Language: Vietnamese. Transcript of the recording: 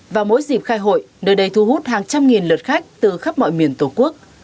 vào mỗi dịp khai hội nơi đây thu hút hàng trăm nghìn lượt khách từ khắp mọi miền tổ quốc